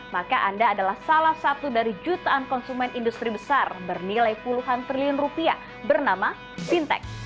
maka anda adalah salah satu dari jutaan konsumen industri besar bernilai puluhan triliun rupiah bernama fintech